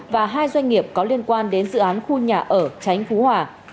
và hai doanh nghiệp có liên quan đến dự án khu nhà ở tránh phú hòa